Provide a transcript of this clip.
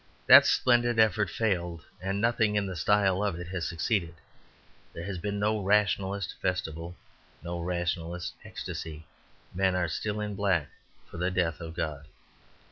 That splendid effort failed, and nothing in the style of it has succeeded. There has been no rationalist festival, no rationalist ecstasy. Men are still in black for the death of God.